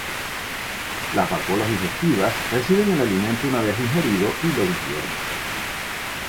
Las vacuolas digestivas reciben el alimento una vez ingerido y lo digieren.